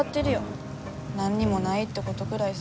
何にもないってことぐらいさ。